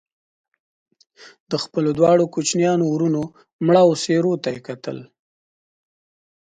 د خپلو دواړو کوچنيانو وروڼو مړاوو څېرو ته يې کتل